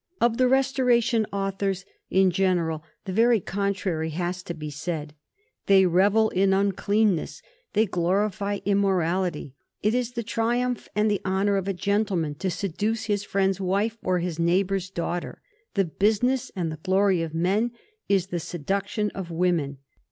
Of the Restoration authors, in general, the very contrary has to be said. They revel in nncleanness; they glorify im morality. It is the triumph and the honor of a gentleman to seduce his friend's wife or his neighbor's daughter. The business and the glory of men is the seduction of wom en.